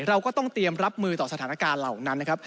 เราก็ต้องเตรียมรับมือต่อสถานการณ์เหล่านั้นนะครับ